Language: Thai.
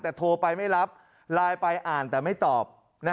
แต่โทรไปไม่รับไลน์ไปอ่านแต่ไม่ตอบ